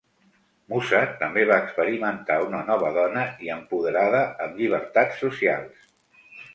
Musa també va experimentar una nova dona i empoderada amb llibertats socials.